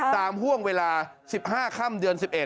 ห่วงเวลา๑๕ค่ำเดือน๑๑